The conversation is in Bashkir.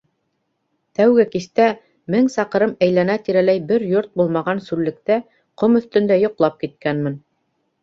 Тәүге кистә, мең саҡрым әйләнә тирәләй бер йорт булмаған сүллектә, ҡом өҫтөндә йоҡлап киткәнмен.